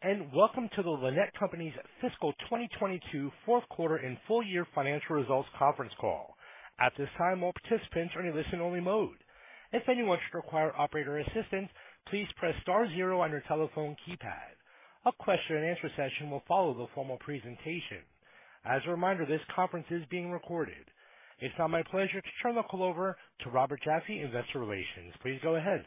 Hello, and welcome to the Lannett Company's fiscal 2022 fourth quarter and full year financial results conference call. At this time, all participants are in listen-only mode. If anyone should require operator assistance, please press star zero on your telephone keypad. A Q&A session will follow the formal presentation. As a reminder, this conference is being recorded. It's now my pleasure to turn the call over to Robert Jaffe, Investor Relations. Please go ahead.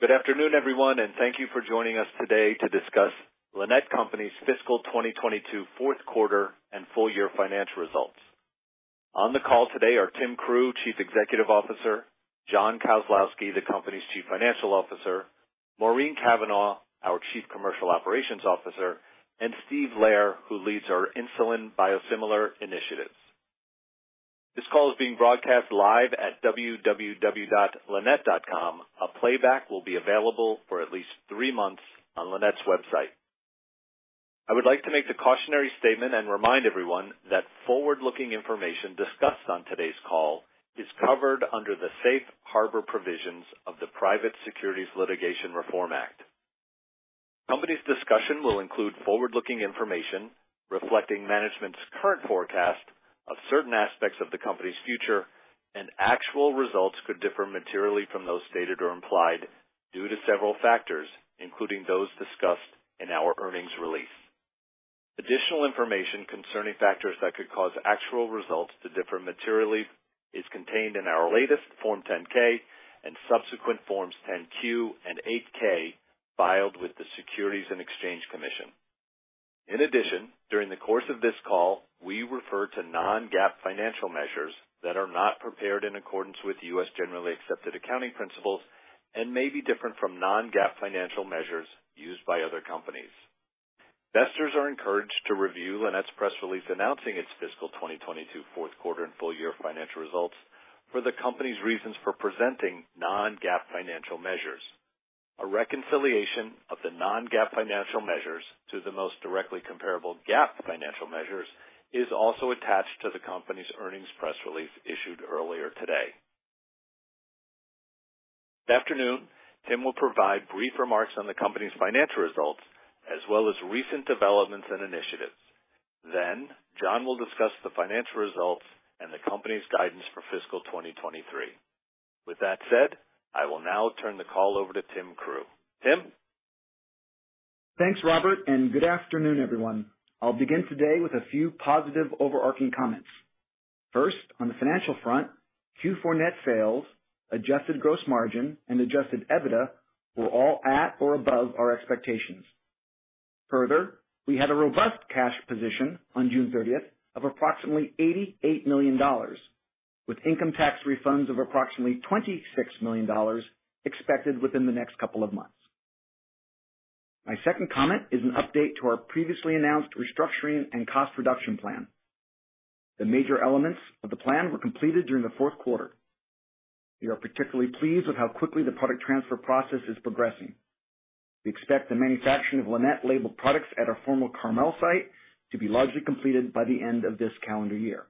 Good afternoon, everyone, and thank you for joining us today to discuss Lannett Company's fiscal 2022 fourth quarter and full year financial results. On the call today are Tim Crew, Chief Executive Officer, John Kozlowski, the company's Chief Financial Officer, Maureen Cavanaugh, our Chief Commercial Operations Officer, and Steve Lehrer, who leads our insulin biosimilar initiatives. This call is being broadcast live at www.lannett.com. A playback will be available for at least three months on Lannett's website. I would like to make the cautionary statement and remind everyone that forward-looking information discussed on today's call is covered under the safe harbor provisions of the Private Securities Litigation Reform Act. Company's discussion will include forward-looking information reflecting management's current forecast of certain aspects of the company's future, and actual results could differ materially from those stated or implied due to several factors, including those discussed in our earnings release. Additional information concerning factors that could cause actual results to differ materially is contained in our latest Form 10-K and subsequent Forms 10-Q and 8-K filed with the Securities and Exchange Commission. In addition, during the course of this call, we refer to non-GAAP financial measures that are not prepared in accordance with U.S. generally accepted accounting principles and may be different from non-GAAP financial measures used by other companies. Investors are encouraged to review Lannett's press release announcing its fiscal 2022 fourth quarter and full year financial results for the company's reasons for presenting non-GAAP financial measures. A reconciliation of the non-GAAP financial measures to the most directly comparable GAAP financial measures is also attached to the company's earnings press release issued earlier today. This afternoon, Tim will provide brief remarks on the company's financial results as well as recent developments and initiatives. John will discuss the financial results and the company's guidance for fiscal 2023. With that said, I will now turn the call over to Tim Crew. Tim. Thanks, Robert, and good afternoon, everyone. I'll begin today with a few positive overarching comments. First, on the financial front, Q4 net sales, adjusted gross margin, and adjusted EBITDA were all at or above our expectations. Further, we had a robust cash position on June 30th of approximately $88 million, with income tax refunds of approximately $26 million expected within the next couple of months. My second comment is an update to our previously announced restructuring and cost reduction plan. The major elements of the plan were completed during the fourth quarter. We are particularly pleased with how quickly the product transfer process is progressing. We expect the manufacturing of Lannett labeled products at our former Carmel site to be largely completed by the end of this calendar year.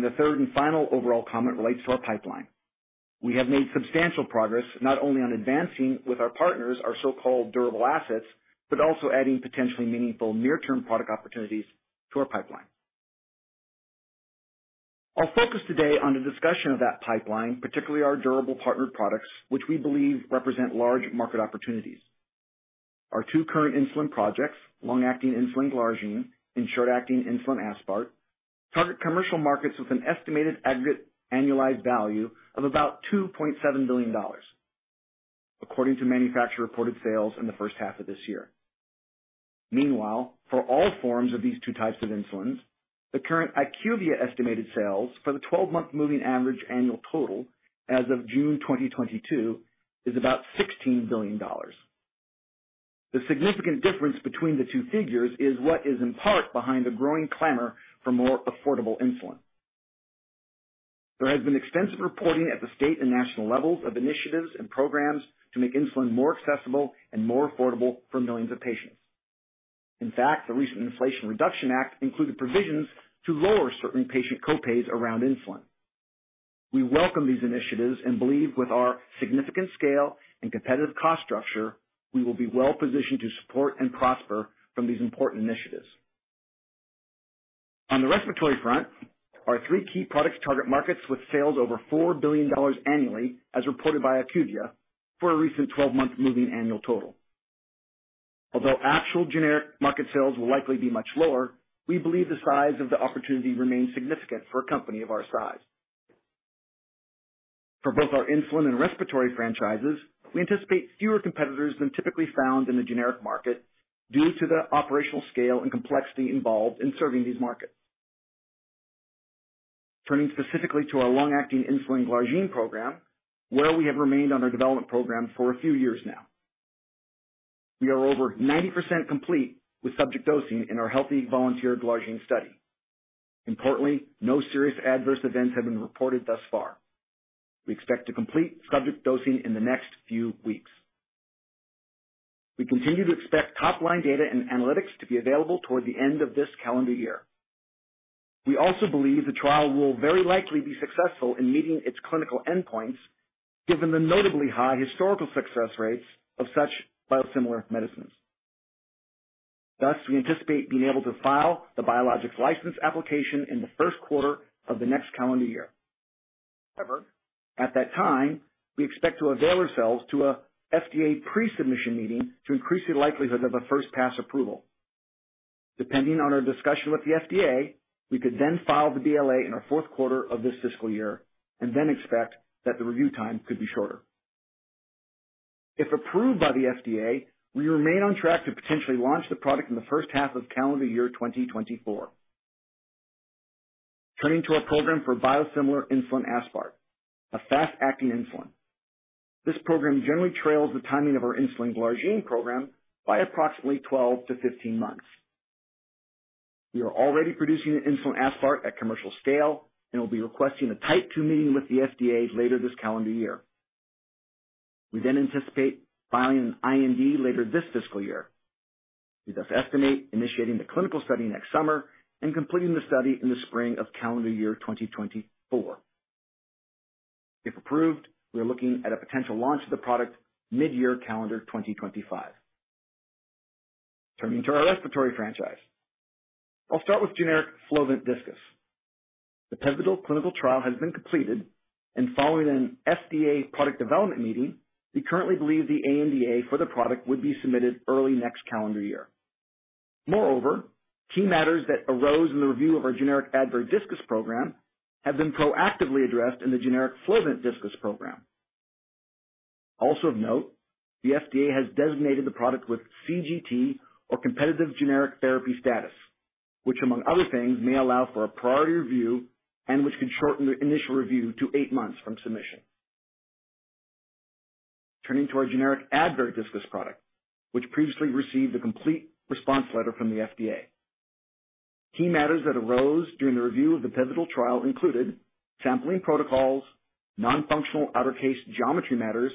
The third and final overall comment relates to our pipeline. We have made substantial progress not only on advancing with our partners our so-called durable assets, but also adding potentially meaningful near-term product opportunities to our pipeline. I'll focus today on the discussion of that pipeline, particularly our durable partnered products, which we believe represent large market opportunities. Our two current insulin projects, long-acting insulin glargine and short-acting insulin aspart, target commercial markets with an estimated aggregate annualized value of about $2.7 billion, according to manufacturer-reported sales in the first half of this year. Meanwhile, for all forms of these two types of insulins, the current IQVIA estimated sales for the 12-month moving average annual total as of June 2022 is about $16 billion. The significant difference between the two figures is what is in part behind the growing clamor for more affordable insulin. There has been extensive reporting at the state and national levels of initiatives and programs to make insulin more accessible and more affordable for millions of patients. In fact, the recent Inflation Reduction Act included provisions to lower certain patient co-pays around insulin. We welcome these initiatives and believe with our significant scale and competitive cost structure, we will be well positioned to support and prosper from these important initiatives. On the respiratory front, our three key products target markets with sales over $4 billion annually as reported by IQVIA for a recent 12-month moving annual total. Although actual generic market sales will likely be much lower, we believe the size of the opportunity remains significant for a company of our size. For both our insulin and respiratory franchises, we anticipate fewer competitors than typically found in the generic market due to the operational scale and complexity involved in serving these markets. Turning specifically to our long-acting insulin glargine program, where we have remained on our development program for a few years now. We are over 90% complete with subject dosing in our healthy volunteer glargine study. Importantly, no serious adverse events have been reported thus far. We expect to complete subject dosing in the next few weeks. We continue to expect top-line data and analytics to be available toward the end of this calendar year. We also believe the trial will very likely be successful in meeting its clinical endpoints, given the notably high historical success rates of such biosimilar medicines. Thus, we anticipate being able to file the biologics license application in the first quarter of the next calendar year. However, at that time, we expect to avail ourselves to a FDA pre-submission meeting to increase the likelihood of a first pass approval. Depending on our discussion with the FDA, we could then file the BLA in our fourth quarter of this fiscal year and then expect that the review time could be shorter. If approved by the FDA, we remain on track to potentially launch the product in the first half of calendar year 2024. Turning to our program for biosimilar insulin aspart, a fast-acting insulin. This program generally trails the timing of our insulin glargine program by approximately 12-15 months. We are already producing the insulin aspart at commercial scale and will be requesting a type 2 meeting with the FDA later this calendar year. We then anticipate filing an IND later this fiscal year. We thus estimate initiating the clinical study next summer and completing the study in the spring of calendar year 2024. If approved, we are looking at a potential launch of the product mid-year calendar 2025. Turning to our respiratory franchise. I'll start with generic Flovent Diskus. The pivotal clinical trial has been completed, and following an FDA product development meeting, we currently believe the ANDA for the product would be submitted early next calendar year. Moreover, key matters that arose in the review of our generic Advair Diskus program have been proactively addressed in the generic Flovent Diskus program. Also of note, the FDA has designated the product with CGT or competitive generic therapy status, which, among other things, may allow for a priority review and which can shorten the initial review to eight months from submission. Turning to our generic Advair Diskus product, which previously received a complete response letter from the FDA. Key matters that arose during the review of the pivotal trial included sampling protocols, non-functional outer case geometry matters,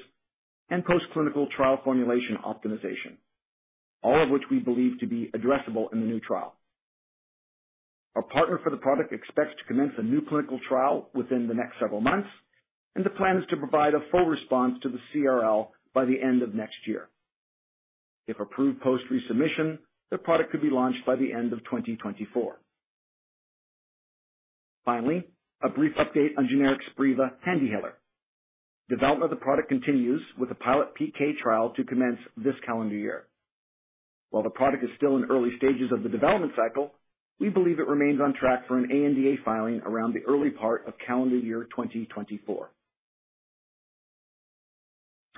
and post-clinical trial formulation optimization, all of which we believe to be addressable in the new trial. Our partner for the product expects to commence a new clinical trial within the next several months, and the plan is to provide a full response to the CRL by the end of next year. If approved post resubmission, the product could be launched by the end of 2024. Finally, a brief update on generic Spiriva HandiHaler. Development of the product continues, with a pilot PK trial to commence this calendar year. While the product is still in early stages of the development cycle, we believe it remains on track for an ANDA filing around the early part of calendar year 2024.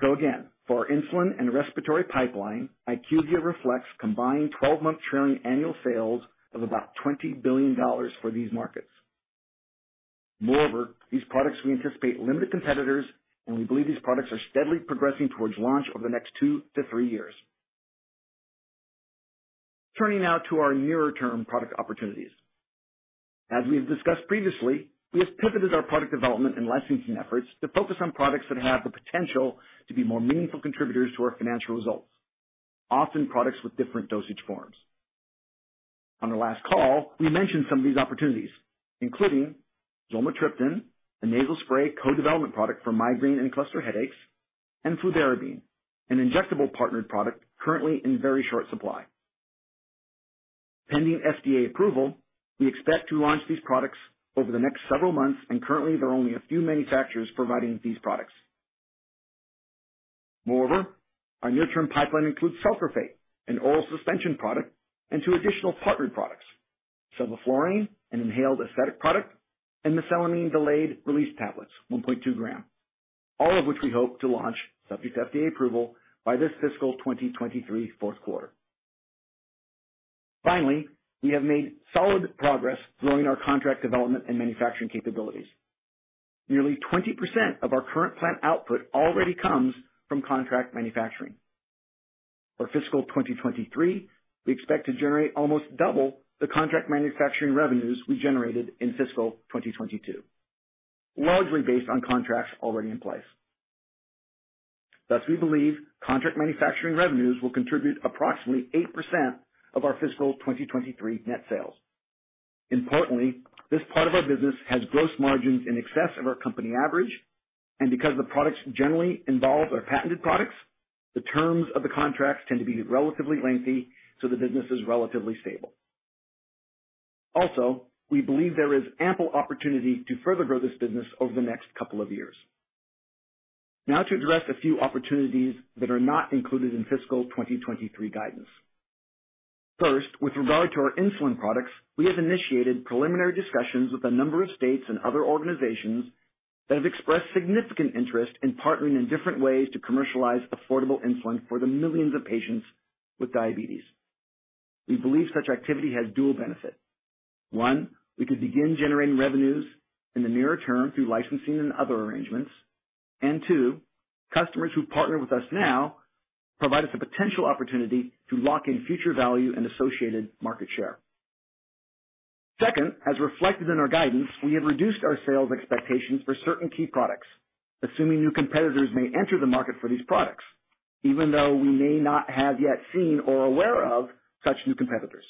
Again, for our insulin and respiratory pipeline, IQVIA reflects combined twelve-month trailing annual sales of about $20 billion for these markets. Moreover, these products we anticipate limited competitors, and we believe these products are steadily progressing towards launch over the next 2 years-3 years. Turning now to our nearer-term product opportunities. As we have discussed previously, we have pivoted our product development and licensing efforts to focus on products that have the potential to be more meaningful contributors to our financial results, often products with different dosage forms. On our last call, we mentioned some of these opportunities, including zolmitriptan, a nasal spray co-development product for migraine and cluster headaches, and fludarabine, an injectable partnered product currently in very short supply. Pending FDA approval, we expect to launch these products over the next several months, and currently there are only a few manufacturers providing these products. Moreover, our near-term pipeline includes sucralfate, an oral suspension product, and two additional partnered products, sevoflurane, an inhaled anesthetic product, and mesalamine delayed release tablets, 1.2 gram. All of which we hope to launch subject to FDA approval by this fiscal 2023 fourth quarter. Finally, we have made solid progress growing our contract development and manufacturing capabilities. Nearly 20% of our current plant output already comes from contract manufacturing. For fiscal 2023, we expect to generate almost double the contract manufacturing revenues we generated in fiscal 2022, largely based on contracts already in place. Thus, we believe contract manufacturing revenues will contribute approximately 8% of our fiscal 2023 net sales. Importantly, this part of our business has gross margins in excess of our company average, and because the products generally involve our patented products, the terms of the contracts tend to be relatively lengthy, so the business is relatively stable. Also, we believe there is ample opportunity to further grow this business over the next couple of years. Now to address a few opportunities that are not included in fiscal 2023 guidance. First, with regard to our insulin products, we have initiated preliminary discussions with a number of states and other organizations that have expressed significant interest in partnering in different ways to commercialize affordable insulin for the millions of patients with diabetes. We believe such activity has dual benefit. One, we could begin generating revenues in the nearer term through licensing and other arrangements. And two, customers who partner with us now provide us a potential opportunity to lock in future value and associated market share. Second, as reflected in our guidance, we have reduced our sales expectations for certain key products, assuming new competitors may enter the market for these products. Even though we may not have yet seen or aware of such new competitors.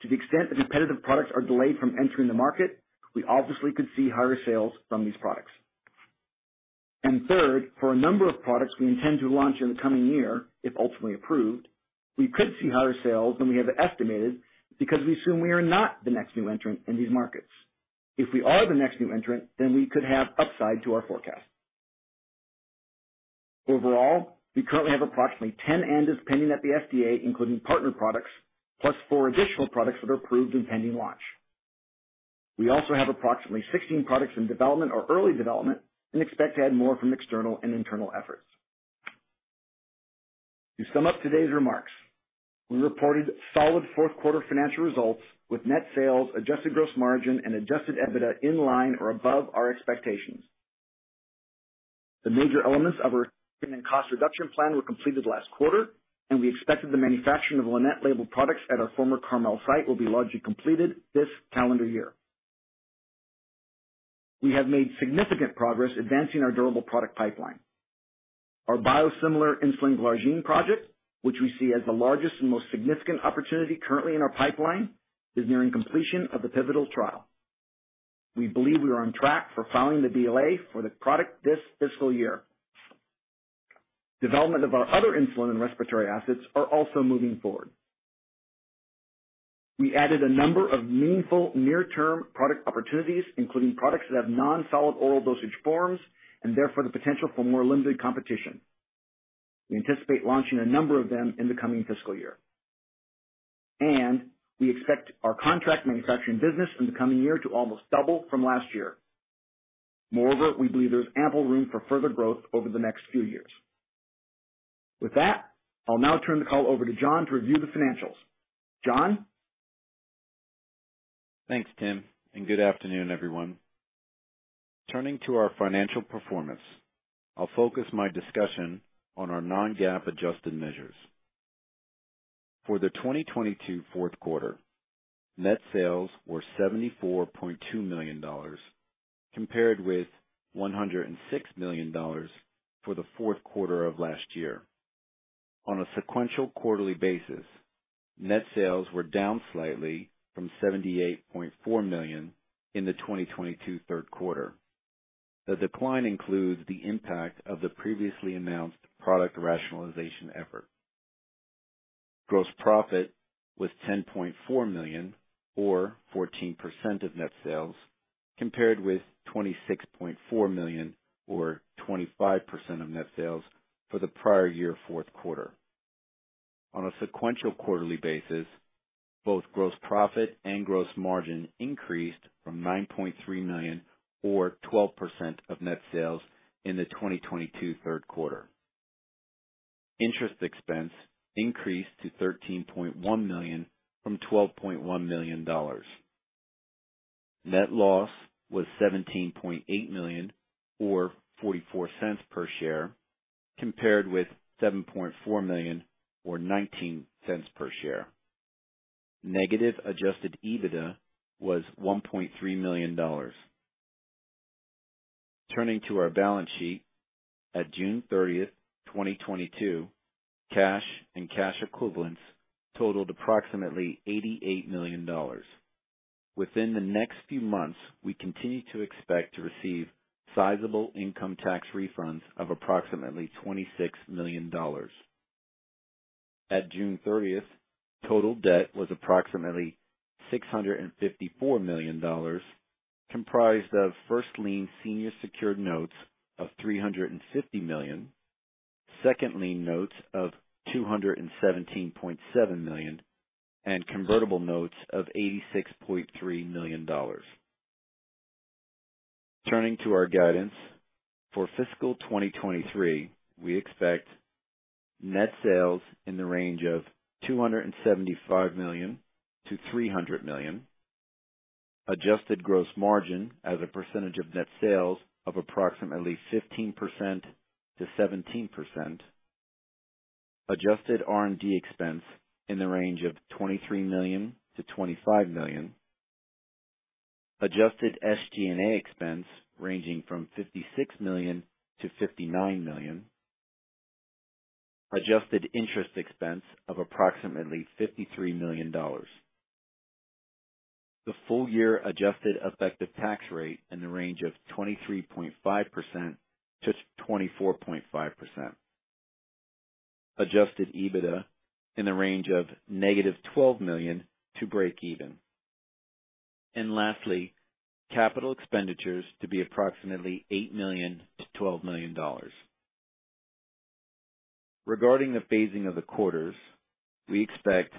To the extent the competitive products are delayed from entering the market, we obviously could see higher sales from these products. Third, for a number of products we intend to launch in the coming year, if ultimately approved, we could see higher sales than we have estimated because we assume we are not the next new entrant in these markets. If we are the next new entrant, then we could have upside to our forecast. Overall, we currently have approximately 10 ANDAs pending at the FDA, including partner products, plus four additional products that are approved and pending launch. We also have approximately 16 products in development or early development and expect to add more from external and internal efforts. To sum up today's remarks, we reported solid fourth quarter financial results with net sales, adjusted gross margin and adjusted EBITDA in line or above our expectations. The major elements of our cost reduction plan were completed last quarter and we expected the manufacturing of Lannett labeled products at our former Carmel site will be largely completed this calendar year. We have made significant progress advancing our durable product pipeline. Our biosimilar insulin glargine project, which we see as the largest and most significant opportunity currently in our pipeline, is nearing completion of the pivotal trial. We believe we are on track for filing the BLA for the product this fiscal year. Development of our other insulin and respiratory assets are also moving forward. We added a number of meaningful near term product opportunities, including products that have non-solid oral dosage forms and therefore the potential for more limited competition. We anticipate launching a number of them in the coming fiscal year. We expect our contract manufacturing business in the coming year to almost double from last year. Moreover, we believe there's ample room for further growth over the next few years. With that, I'll now turn the call over to John Kozlowski to review the financials. John Kozlowski. Thanks, Tim, and good afternoon, everyone. Turning to our financial performance, I'll focus my discussion on our non-GAAP adjusted measures. For the 2022 fourth quarter, net sales were $74.2 million, compared with $106 million for the fourth quarter of last year. On a sequential quarterly basis, net sales were down slightly from $78.4 million in the 2022 third quarter. The decline includes the impact of the previously announced product rationalization effort. Gross profit was $10.4 million, or 14% of net sales, compared with $26.4 million or 25% of net sales for the prior year fourth quarter. On a sequential quarterly basis, both gross profit and gross margin increased from $9.3 million, or 12% of net sales in the 2022 third quarter. Interest expense increased to $13.1 million from $12.1 million. Net loss was $17.8 million or $0.44 per share, compared with $7.4 million or $0.19 per share. Negative adjusted EBITDA was $1.3 million. Turning to our balance sheet, at June 30th, 2022, cash and cash equivalents totaled approximately $88 million. Within the next few months, we continue to expect to receive sizable income tax refunds of approximately $26 million. At June 30th, total debt was approximately $654 million, comprised of first lien senior secured notes of $350 million, second lien notes of $217.7 million, and convertible notes of $86.3 million. Turning to our guidance. For fiscal 2023, we expect net sales in the range of $275 million-$300 million. Adjusted gross margin as a percentage of net sales of approximately 15%-17%. Adjusted R&D expense in the range of $23 million-$25 million. Adjusted SG&A expense ranging from $56 million-$59 million. Adjusted interest expense of approximately $53 million. The full year adjusted effective tax rate in the range of 23.5%-24.5%. Adjusted EBITDA in the range of -$12 million to break even. Lastly, capital expenditures to be approximately $8 million-$12 million. Regarding the phasing of the quarters, we expect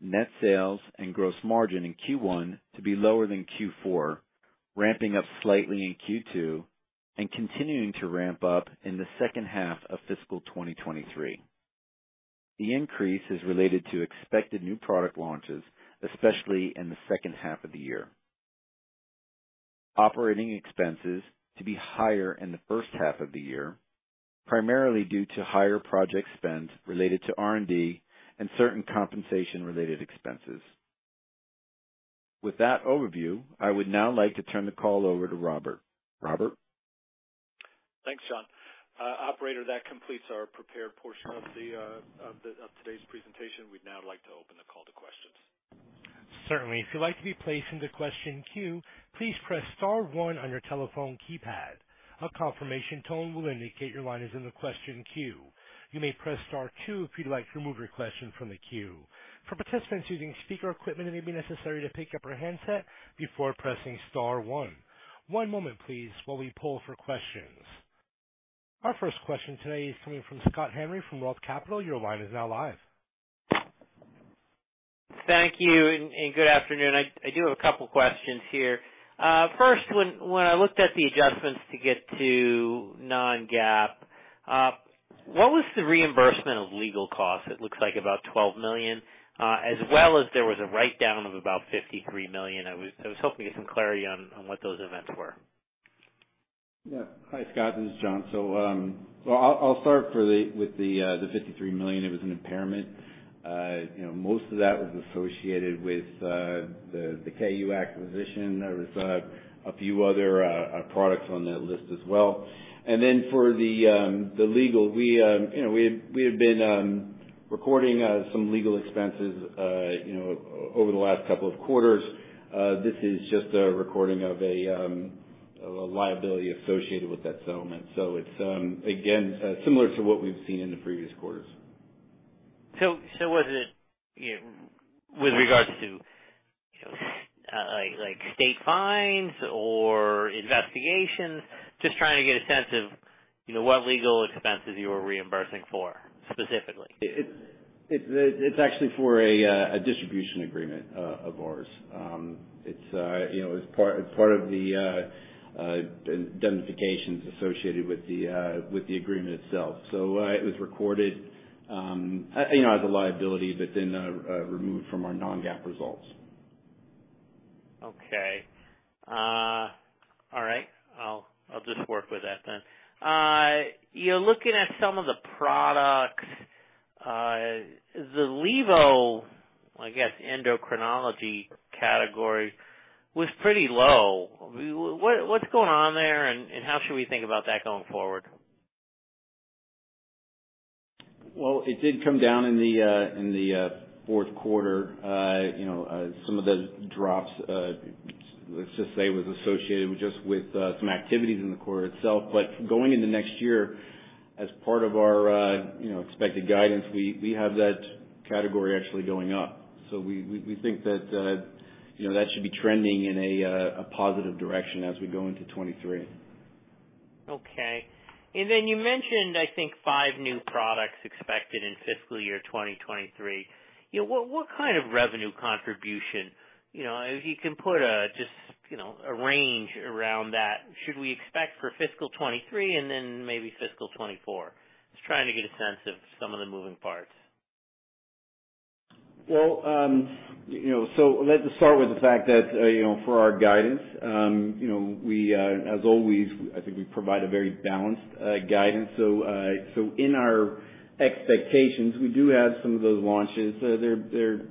net sales and gross margin in Q1 to be lower than Q4, ramping up slightly in Q2 and continuing to ramp up in the second half of fiscal 2023. The increase is related to expected new product launches, especially in the second half of the year. Operating expenses to be higher in the first half of the year, primarily due to higher project spend related to R&D and certain compensation related expenses. With that overview, I would now like to turn the call over to Robert. Robert? Thanks, John. Operator, that completes our prepared portion of today's presentation. We'd now like to open the call to questions. Certainly. If you'd like to be placed into question queue, please press star one on your telephone keypad. A confirmation tone will indicate your line is in the question queue. You may press star two if you'd like to remove your question from the queue. For participants using speaker equipment, it may be necessary to pick up your handset before pressing star one. One moment, please, while we pull for questions. Our first question today is coming from Scott Henry from ROTH Capital Partners. Your line is now live. Thank you and good afternoon. I do have a couple questions here. First, when I looked at the adjustments to get to non-GAAP, what was the reimbursement of legal costs? It looks like about $12 million, as well as there was a write down of about $53 million. I was hoping to get some clarity on what those events were. Yeah. Hi, Scott, this is John. I'll start with the $53 million. It was an impairment. You know, most of that was associated with the KU acquisition. There was a few other products on that list as well. For the legal, we you know, we had been recording some legal expenses, you know, over the last couple of quarters. This is just a recording of a liability associated with that settlement. It's again, similar to what we've seen in the previous quarters. Was it, you know, with regards to, you know, like state fines or investigations? Just trying to get a sense of, you know, what legal expenses you were reimbursing for specifically. It's actually for a distribution agreement of ours. It's you know it's part of the indemnifications associated with the agreement itself. It was recorded you know as a liability, but then removed from our non-GAAP results. Okay. All right. I'll just work with that then. You're looking at some of the products, the levothyroxine, I guess, endocrinology category was pretty low. What's going on there, and how should we think about that going forward? Well, it did come down in the fourth quarter. You know, some of the drops, let's just say, was associated with just with some activities in the quarter itself. Going into next year, as part of our, you know, expected guidance, we think that, you know, that should be trending in a positive direction as we go into 2023. Okay. You mentioned, I think, five new products expected in fiscal year 2023. You know, what kind of revenue contribution, you know, if you can put just a range around that should we expect for fiscal 2023 and then maybe fiscal 2024? Just trying to get a sense of some of the moving parts. You know, let's just start with the fact that, you know, for our guidance, you know, we, as always, I think we provide a very balanced guidance. In our expectations, we do have some of those launches. They're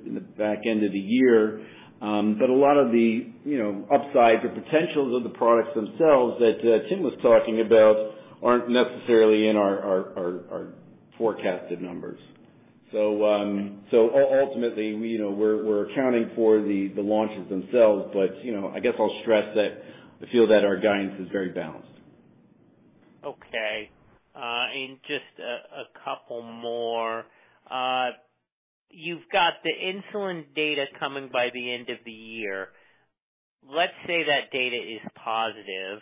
in the back end of the year. A lot of the, you know, upside, the potentials of the products themselves that, Tim was talking about aren't necessarily in our forecasted numbers. Ultimately, you know, we're accounting for the launches themselves, but, you know, I guess I'll stress that I feel that our guidance is very balanced. Okay. Just a couple more. You've got the insulin data coming by the end of the year. Let's say that data is positive.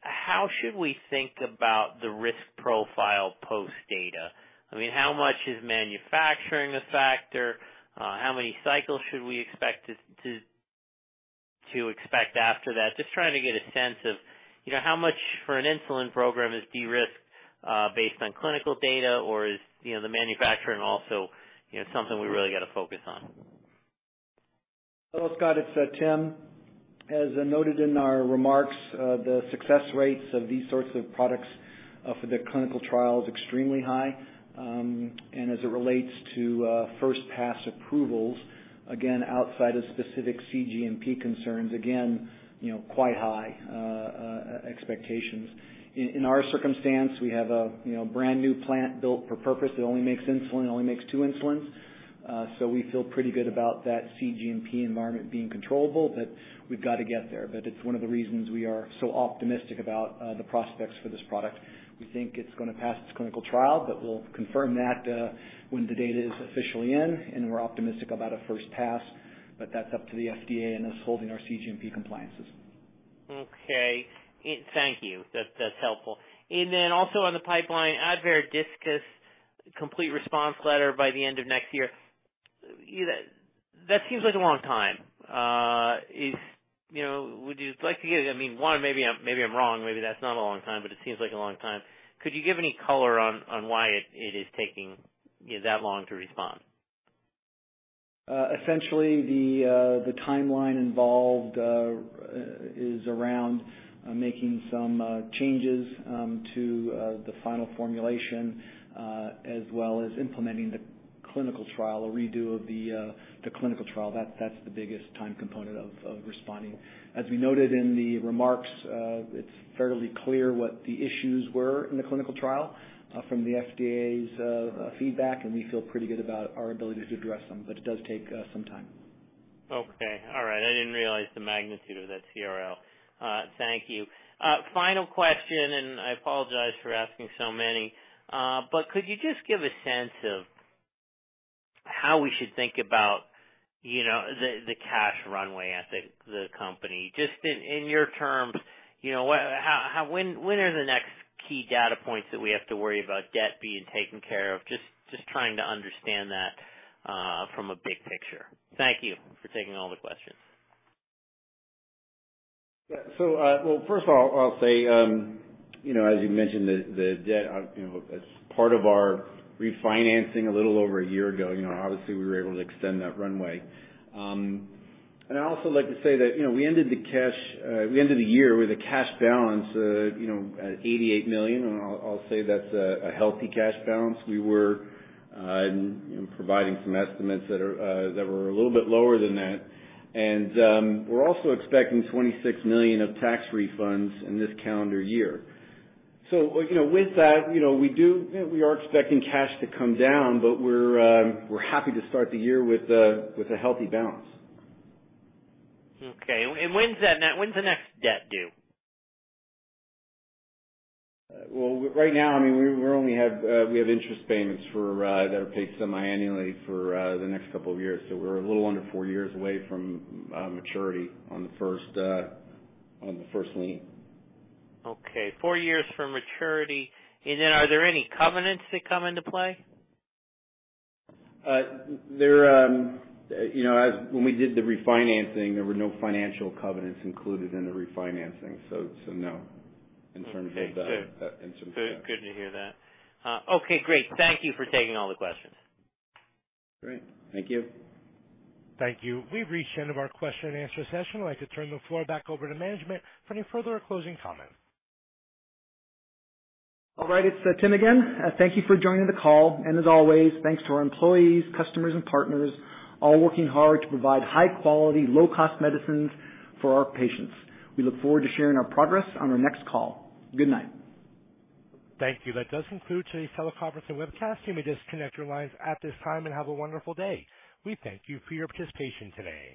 How should we think about the risk profile post-data? I mean, how much is manufacturing a factor? How many cycles should we expect to expect after that? Just trying to get a sense of, you know, how much for an insulin program is de-risked, based on clinical data or is, you know, the manufacturing also, you know, something we really got to focus on? Well, Scott, it's Tim. As noted in our remarks, the success rates of these sorts of products for the clinical trial is extremely high. As it relates to first pass approvals, again, outside of specific cGMP concerns, again, you know, quite high expectations. In our circumstance, we have a, you know, brand-new plant built for purpose that only makes insulin. It only makes two insulins. So we feel pretty good about that cGMP environment being controllable, but we've got to get there. It's one of the reasons we are so optimistic about the prospects for this product. We think it's gonna pass its clinical trial, but we'll confirm that when the data is officially in, and we're optimistic about a first pass, but that's up to the FDA and us holding our cGMP compliances. Okay. Thank you. That's helpful. Then also on the pipeline, Advair Diskus complete response letter by the end of next year. That seems like a long time. You know, I mean, maybe I'm wrong, maybe that's not a long time, but it seems like a long time. Could you give any color on why it is taking, you know, that long to respond? Essentially, the timeline involved is around making some changes to the final formulation as well as implementing a redo of the clinical trial. That's the biggest time component of responding. As we noted in the remarks, it's fairly clear what the issues were in the clinical trial from the FDA's feedback, and we feel pretty good about our ability to address them, but it does take some time. Okay. All right. I didn't realize the magnitude of that CRL. Thank you. Final question, and I apologize for asking so many. Could you just give a sense of how we should think about, you know, the cash runway at the company? Just in your terms, you know, what, how, when are the next key data points that we have to worry about debt being taken care of? Just trying to understand that from a big picture. Thank you for taking all the questions. First of all, I'll say, you know, as you mentioned, the debt, you know, as part of our refinancing a little over a year ago, you know, obviously we were able to extend that runway. I'd also like to say that, you know, we ended the year with a cash balance of, you know, $88 million, and I'll say that's a healthy cash balance. We were, you know, providing some estimates that were a little bit lower than that. We're also expecting $26 million of tax refunds in this calendar year. You know, with that, you know, we do, you know, we are expecting cash to come down, but we're happy to start the year with a healthy balance. Okay. When's the next debt due? Well, right now, I mean, we only have interest payments that are paid semi-annually for the next couple of years. We're a little under four years away from maturity on the first lien. Okay. 4 years for maturity. Are there any covenants that come into play? When we did the refinancing, there were no financial covenants included in the refinancing, so no. In terms of the- Okay, good. In terms of that. Good, good to hear that. Okay, great. Thank you for taking all the questions. Great. Thank you. Thank you. We've reached the end of our Q&A session. I'd like to turn the floor back over to management for any further closing comments. All right, it's Tim again. Thank you for joining the call, and as always, thanks to our employees, customers and partners, all working hard to provide high quality, low cost medicines for our patients. We look forward to sharing our progress on our next call. Good night. Thank you. That does conclude today's teleconference and webcast. You may disconnect your lines at this time and have a wonderful day. We thank you for your participation today.